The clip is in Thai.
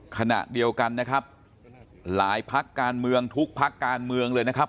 ขณะเดียวกันนะครับหลายพักการเมืองทุกพักการเมืองเลยนะครับ